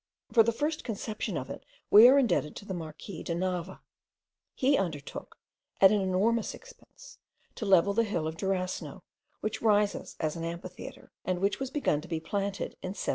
For the first conception of it we are indebted to the Marquis de Nava. He undertook, at an enormous expense, to level the hill of Durasno, which rises as an amphitheatre, and which was begun to be planted in 1795.